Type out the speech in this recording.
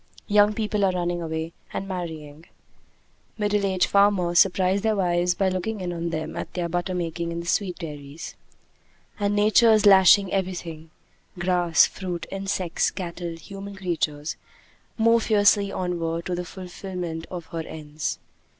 Young people are running away and marrying; middle aged farmers surprise their wives by looking in on them at their butter making in the sweet dairies; and Nature is lashing everything grass, fruit, insects, cattle, human creatures more fiercely onward to the fulfillment of her ends.